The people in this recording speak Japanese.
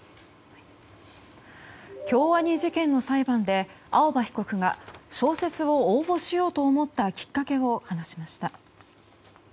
京アニ事件の裁判で青葉被告が小説を応募しようと思ったきっかけを話しました。